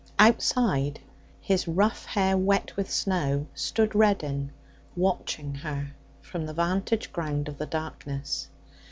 Outside, his rough hair wet with snow, stood Reddin, watching her from the vantage ground of the darkness!